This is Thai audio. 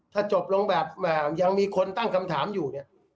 ถ้าจบลงแบบยังมีคนตั้งคำถามอยู่เนี่ย